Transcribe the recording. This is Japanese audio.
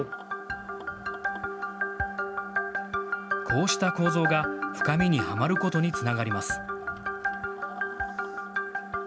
こうした構造が深みにはまることにつながります。